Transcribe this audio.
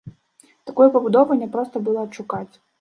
Такую пабудову няпроста было адшукаць.